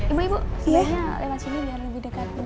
ibu ibu sebaiknya lewat sini biar lebih dekat untuk keluar